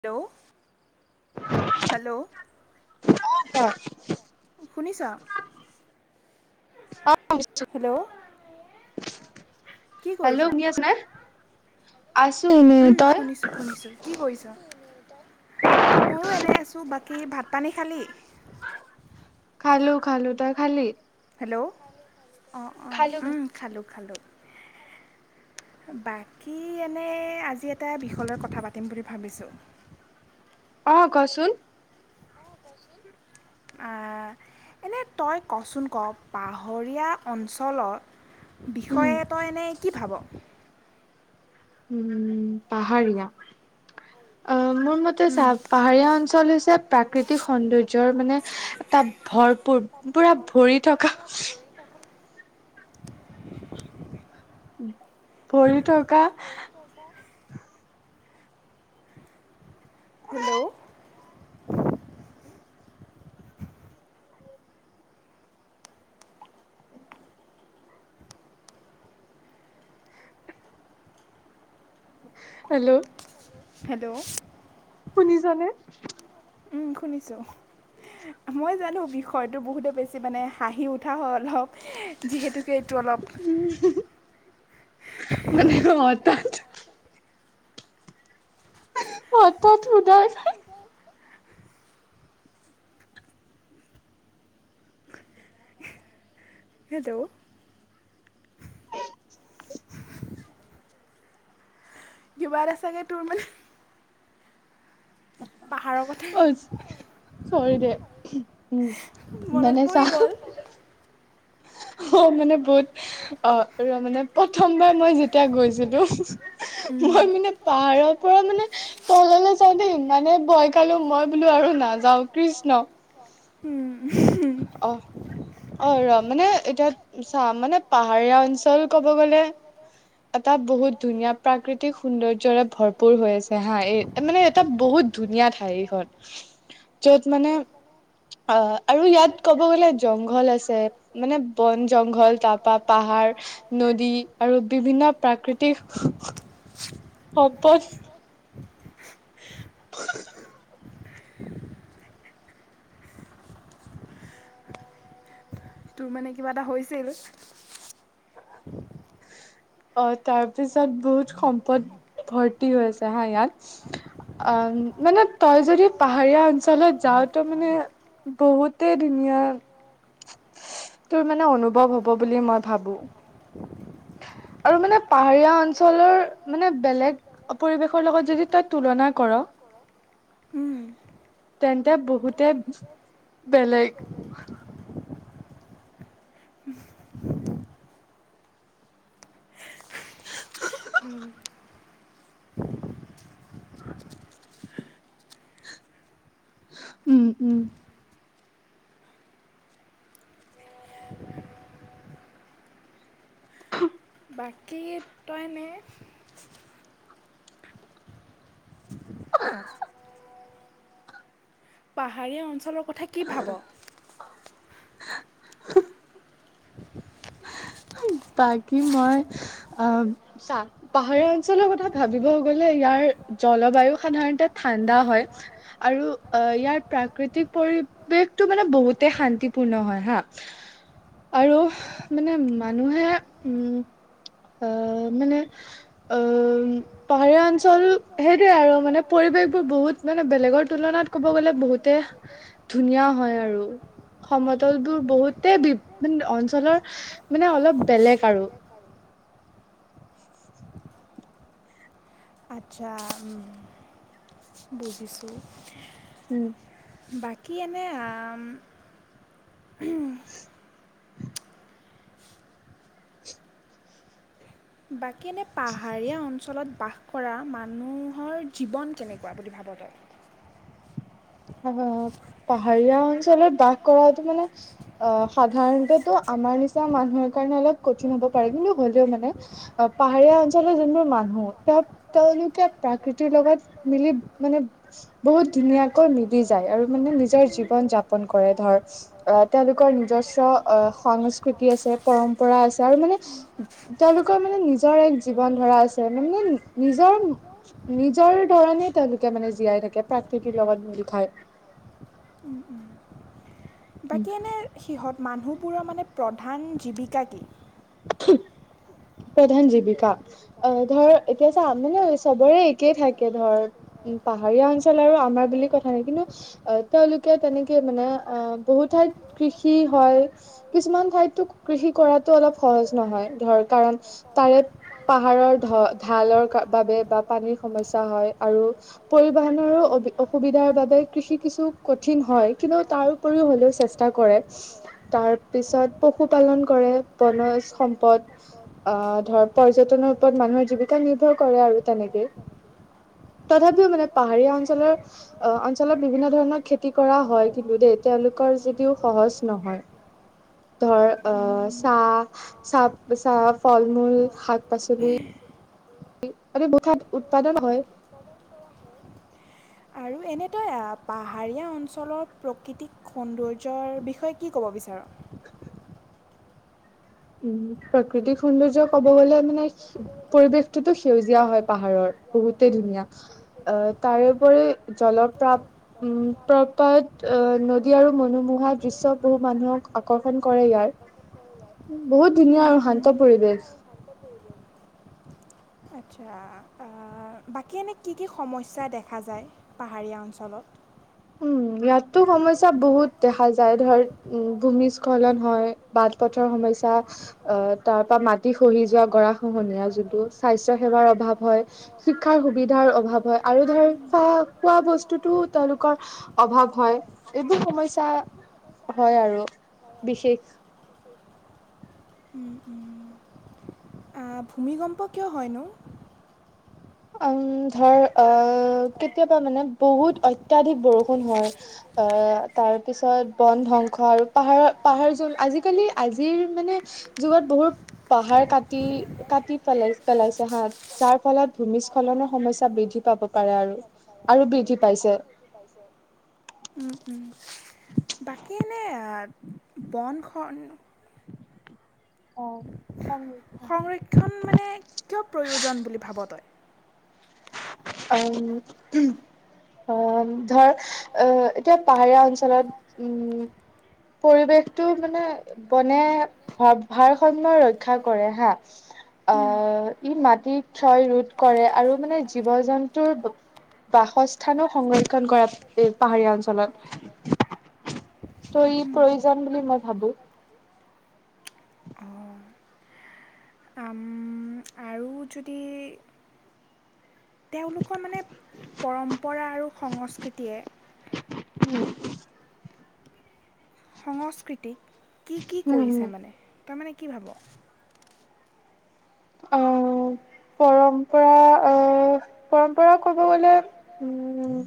Hello hello [unintelligible] শুনিছ? অ' শুনিছোঁ। হেল্ল শুই আছে নে? আছোঁ এনে তই? কি কৰিছ? ময়ো এনেই আছোঁ, বাকী ভাত পানী খালী? খালো, খালো, তই খালী? হেল্ল' অ, অ উম খালোঁ, খালোঁ। বাকী এনে আজি এটা বিষয়লৈ কথা পাতিম বুলি ভাবিছোঁ। অ কওকচোন। আ এনে তই কচোন ক পাহৰীয়া অঞ্চলত বিষয়ে তই এনেই কি ভাব? পাহাৰীয়া, অ' মোৰ ম তে চা পাহাৰীয়া অঞ্চল হৈছে প্ৰাকৃতিক সৌন্দৰ্যৰ মানে এটা ভৰপূৰ পুৰা ভৰি থকা ভৰি থকা হেল্ল'! হেল্ল! হেল্ল! শুনিছ নে? উম শুনিছোঁ। মই জানো বিষয়টো বহুতেই বেছি মানে হাঁহি উঠা হ'ল হওক যিহেতুকে এইটো অলপ [unintelligible] অত তত [unintelligible] [inaudible] হেল্ল' [unintelligible] পাহাৰৰ কথা [unintelligible] চৰি দে উম মানে চা- অ মানে বহুত অ আৰু মানে প্ৰথমবাৰ মই যেতিয়া গৈছিলো মই মানে পাহাৰৰ পৰা মানে তললৈ চাওঁতে ইমানে ভয় খালো মই বোলো আৰু নাযাও কৃষ্ণ উম উম অ ৰ মানে এতিয়া চা মানে পাহাৰীয়া অঞ্চল কব গ'লে এটা বহুত ধুনীয়া প্ৰাকৃতিক সৌন্দৰ্যৰে ভৰপুৰ হৈ আছে হা এই মানে এটা বহুত ধুনীয়া ঠাই এইখন‌ য'ত মানে অ আৰু ইয়াত ক'ব গ'লে জংঘল আছে মানে বন জংঘল তাৰপৰা পাহাৰ নদী আৰু বিভিন্ন প্ৰাকৃতিক [unintelligible] সম্পদ [inaudible] তোৰ মানে কিবা এটা হৈছিল অ তাৰ পিছত বহুত সম্পদ ভৰ্তি হৈ আছে হা ইয়াত অ মানে তই যদি পাহাৰীয়া অঞ্চলত যাও তো মানে বহুতে ধুনীয়া- তোৰ মানে অনুভৱ হব বুলি মই ভাবো আৰু মানে পাহাৰীয়া অঞ্চলৰ মানে বেলেগ পৰিৱেশৰ লগত যদি তই তুলনা কৰ [inaudible] তেন্তে বহুতে বেলেগ উম উম [inaudible] বাকী তই এনে [inaudible] পাহাৰীয়া অঞ্চলৰ কথা কি ভাব [unintelligible] বাকী মই অ চা পাহাৰীয়া অঞ্চলৰ কথা ভাবিব গলে ইয়াৰ জলবায়ু সাধাৰণতে ঠাণ্ডা হয় আৰু ইয়াৰ প্ৰাকৃতিক পৰি বেশটো মানে বহুতে শান্তিপূৰ্ণ হয় হা আৰু- মানে মানুহে উম- আহ- মানে- আহ পাহাৰীয়া অঞ্চল সেইটোৱে আৰু মানে পৰিৱেশবোৰ বহুত মানে বেলেগৰ তুলনাত ক'ব গ'লে বহুতে ধুনীয়া হয় আৰু সমতলবোৰ বহুতে বি মানে অঞ্চলৰ মানে অলপ বেলেগ আৰু [inaudible] আচ্ছা উম- বুজিছোঁ [unintelligible] বাকী এনে আ [unintelligible] বাকী এনে পাহাৰীয়া অন ঞ্চলত বাস কৰা মানুহৰ জীৱন কেনেকুৱা বুলি ভাব তই? হয় হয় হয় পাহাৰীয়া অঞ্চলত বাস কৰাটো মানে অ' সাধাৰণতেতো আমাৰ নিচিনা মানুহৰ কাৰণে অলপ কঠিন হ'ব পাৰে, কিন্তু হ'লেও মানে অ' পাহাৰীয়া অঞ্চলৰ যোনবোৰ মানুহ তেওঁ তেওঁলোকে প্ৰাকৃতিৰ লগত মিলি মানে বহুত ধুনীয়া কৈ মিলি যায় আৰু মানে নিজৰ জীৱন যাপন কৰে ধৰ আহ তেওঁলোকৰ নিজস্ব অ' সংস্কৃতি আছে পৰম্পৰা আছে আৰু মানে তেওঁলোকৰ মানে নিজৰ এক জীৱন ধৰা আছে মানে নিজৰ নিজৰ ধৰণে তেওঁলোকে মানে জীয়াই থাকে, প্ৰাকৃতিৰ লগত মিল খাই [unintelligible] উম উম [unintelligible] বাকী এনে সিহঁত মানুহবোৰ মানে প্ৰধান জীৱিকা কি? প্ৰধান জীৱিকা অঁ ধৰ এতিয়া চা মানে চ'বৰে একেই থাকে ধৰ উম পাহাৰীয়া অঞ্চল আৰু আমাৰ বুলি কথা নাই কিন্তু অ' তেওঁলোকে তেনেকে মানে অ' বহু ঠাইত কৃষি হয় কিছুমান ঠাইতটো কৃষি ক'ৰাতো অলপ সহজ নহয় ধৰ কাৰণ তাৰে পাহাৰৰ ধ ঢালৰ ক বাবে বা পানীৰ সমস্যা হয় আৰু পৰিবহনৰো অবু অসুবিধাৰ বাবে কৃষি কিছু কঠিন হয় কিন্তু তাৰো উপৰিও হ'লেও চেষ্টা কৰে, তাৰপিছত পশুপালন কৰে। বনজ সম্পদ অ' ধৰ পৰ্যটনৰ ওপৰত মানুহৰ জীৱিকা নিৰ্ভৰ কৰে আৰু তেনেকেই। তথাপিও, মানে পাহাৰীয়া অঞ্চলৰ অ' অঞ্চলত বিভিন্ন ধৰণৰ খেতি কৰা হয় কিন্তু দেই, তেওঁলোকৰ যদিও সহজ নহয় [unintelligible] ধৰ অ চাহ, চাহ চাহ ফল- মূল, শাক - পাচলি আদি বহু ঠাইত উৎপাদন হয়। আৰু এনে তই আ পাহাৰীয়া অঞ্চলৰ প্ৰকৃতিক সৌন্দৰ্যৰ বিষয়ে কি ক'ব বিচাৰ? উম প্ৰাকৃতিক সৌন্দৰ্য ক'ব গ'লে মানে পৰিৱেশটোতো সেউজীয়া হয় পাহাৰৰ বহুতেই ধুনীয়া। আহ তাৰে ওপৰিও জলপ্ৰাপ উম প্ৰপাত এ নদী আৰু মনোমোহা দৃশ্য বোৰ মানুহক আকৰ্ষণ কৰে ইয়াৰ বহুত ধুনীয়া আৰু শান্ত পৰিৱেশ। শান্ত পৰিৱেশ। আচ্ছা, আহ বাকী এনেই কি কি সমস্যা দেখা যায় পাহাৰীয়া অঞ্চলত? উম ইয়াততু সমস্যা বহুত দেখা যায়, ধৰ উম ভূমিস্খলন হয়, বাট পথৰ সমস্যা আহ, তাৰ পৰা মাটি খহি যোৱা গৰা খহনীয়া যোনটো, স্বাস্থ্য সেৱাৰ অভাৱ হয়। শিক্ষাৰ সুবিধাৰ অভাৱ হ'য় আৰু ধৰ খা খোৱা বস্তুতো তেওঁলোক কৰ অভাৱ হয়। এইবোৰ সমস্যাৰ হয় আৰু বিশেষ [unintelligible] উম উম আহ। অঁ ভূমিকম্প কিয় হয়নো? উম ধৰ অঁ কেতিয়াবা মানে বহুত অত্যাধিক বৰষুণ হয়। এহ তাৰ পিছত বন ধ্বংস আৰু পাহাৰৰ পাহাৰ যোন আজিকালি আজিৰ মানে যুগত বহুত পাহাৰ কাটি কাটি পেলাই পেলাইছে হা, যাৰ ফলত ভূমিস্খলনৰ সমস্যা বৃদ্ধি পাব পাৰে আৰু, আৰু বৃদ্ধি পাইছে। পাইছে। উম' উম'। তাকে এনে বনখন অ। সংৰক্ষণ মানে কিয় প্ৰয়োজন বুলি ভাব তই? অ' [unintelligible] আ, ধৰ এতিয়া পাহাৰীয়া অঞ্চলত উম' পৰিৱেশটো মানে বনে ভাৰসম্য ৰক্ষা কৰে হা। অ' ই মাটিৰ ক্ষয় ৰোধ কৰে আৰু মানে জীৱ জন্তুৰ বাসস্থানো সংৰক্ষণ কৰাত এই পাহাৰীয়া অঞ্চলত। ত' ই প্ৰয়োজন বুলি মই ভাবোঁ। আম বহুত যদি তেওঁলোকৰ মানে পৰম্পৰা আৰু সংস্কৃতিয়ে উম। সংস্কৃতিক কি, কি কৰিছে মানে? তই মানে কি ভাব? অ', পৰম্পৰা পৰম্প ক'ব গ'লে উম,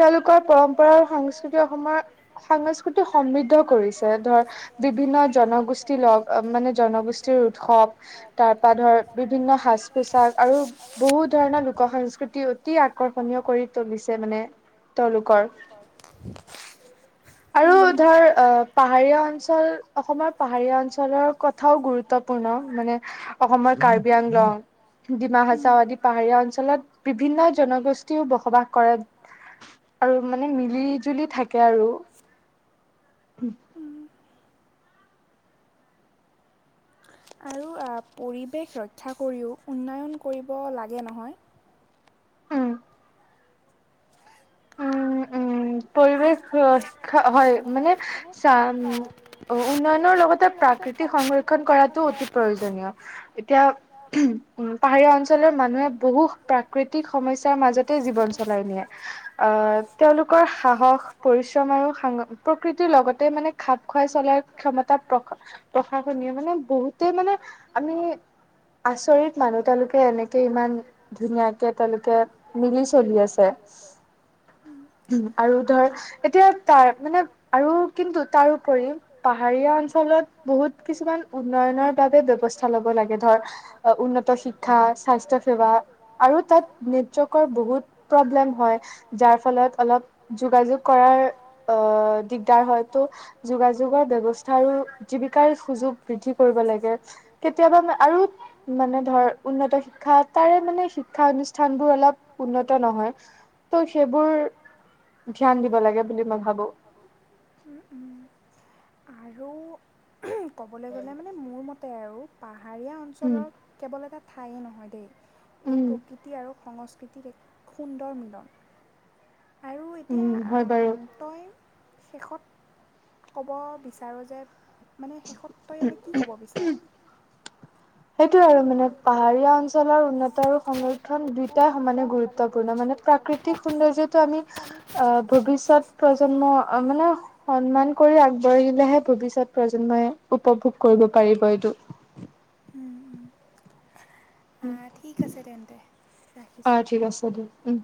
তেওঁলোকৰ পৰম্পৰা আৰু সংস্কৃতি অসমৰ সংস্কৃতি সমৃদ্ধ কৰিছে, ধৰ বিভিন্ন জনগোষ্ঠী লগ, মানে জনগোষ্ঠীৰ উৎসৱ তাত পা ধৰ বিভিন্ন সাজ পোছাক আৰু বহু ধৰণৰ লোক সংস্কৃতি অতি আকৰ্ষণীয় কৰি তুলিছে মানে। [unintelligible] আৰু ধৰ অ' পাহাৰীয়া অঞ্চল, অসমৰ পাহাৰীয়া অঞ্চলৰ ক থ গুৰুত্বপূৰ্ণ মানে অসমৰ কাৰ্বিআংলং ডিমা হাচাও আদি পাহাৰীয়া অঞ্চলত বিভিন্ন জনগোষ্ঠীও বসবাস কৰে। আৰু মানে মিলি জুলি থাকে আৰু। আৰু পৰিৱেশ ৰক্ষা কৰিও উন্নয়ন কৰিব লাগে নহয়। [unintelligible] উম, পৰিৱেশ ৰক্ষা হয় মানে চা উ অ', উন্নয়নৰ লগতে প্ৰাকৃতি সংৰক্ষণ কৰাটো অতি প্ৰয়োজনীয়। এতিয়া পাহাৰীয়া অঞ্চলৰ মানুহে বহু প্ৰাকৃতিক সমস্যাৰ মাজতে জীৱন চলাই নিয়ে। অ', তেওঁলোকৰ সাহস পৰিশ্ৰম আৰু প্ৰকৃতিৰ লগতে মানে খাপ খুৱাই চলাৰ ক্ষমতা প্ৰ প্ৰশাসনীয় মানে বহুতেই মানে আমি আচৰিত মানো তেওঁলোকে এনেকে ইমান ধুনীয়াকে তেওঁলোকে মিলি চলি আছে। উম আৰু ধৰ এতিয়া তাৰ মানে আৰু কিন্তু তাৰোপৰি পাহাৰীয়া অঞ্চলত বহুত কিছুমান উন্নয়নৰ বাবে ব্যৱস্থা ল'ব লাগে, ধৰ উন্নত শিক্ষা স্বাস্থ্য সেৱা। আৰু তাত নেটৱৰ্কৰ বহুত প্ৰব্লেম হয়। যাৰ ফলত অলপ যোগাযোগ কৰাৰ অ' দিগদাৰ হয়তো। যোগাযোগৰ ব্যৱস্থা আৰু জীৱিকাৰ সুযোগ বৃদ্ধি কৰিব লাগে! কেতিয়াবা আৰু মানে ধৰ উন্নত শিক্ষা, তাৰে মানে শিক্ষা অনুষ্ঠানবোৰ অলপ উন্নত নহয়। ত' সেইবোৰ ধ্যান দিব লাগে বুলি মই ভাবোঁ! আৰু ক'বলৈ গ'লে মানে মোৰ মতে আৰু পাহাৰীয়া অঞ্চলৰ কেৱল এটা ঠাইয়ে নহয় দেই, এই প্ৰকৃতি আৰু সংস্কৃতিৰ এক সুন্দৰ মিলন। আৰু এতিয়া আম তই, শেষত ক'ব বিচাৰ যে মানে শেষত তই এনে কি ক'ব বিচাৰ? সেইটোয়ে আৰু মানে পাহাৰীয়া অঞ্চলৰ উন্নত আৰু সংৰক্ষণ দুই এ সমানে গুৰুত্বপূৰ্ণ, মানে প্ৰাকৃতিক সৌন্দৰ্যটো আমি আহ্ ভৱিষ্যত প্ৰজ জন্ম মানে সন্মান কৰি আগবাঢ়িলেহে ভৱিষ্যত প্ৰজন্মই উপভোগ কৰিব পাৰিব। এইটো ঠিক আছে তেন্তে, ৰাখিছোঁ। উম্।